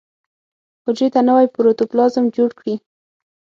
حجرې ته نوی پروتوپلازم جوړ کړي.